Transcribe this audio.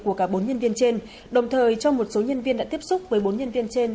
của cả bốn nhân viên trên đồng thời cho một số nhân viên đã tiếp xúc với bốn nhân viên trên